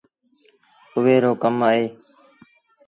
اُئي رو ڪم اهي۔